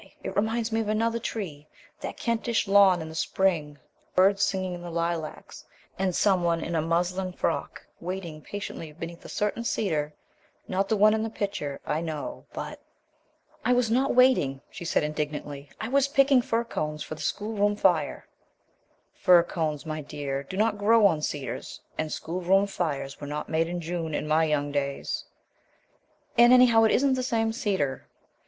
It reminds me of another tree that Kentish lawn in the spring, birds singing in the lilacs, and some one in a muslin frock waiting patiently beneath a certain cedar not the one in the picture, I know, but " "I was not waiting," she said indignantly, "I was picking fir cones for the schoolroom fire " "Fir cones, my dear, do not grow on cedars, and schoolroom fires were not made in June in my young days." "And anyhow it isn't the same cedar."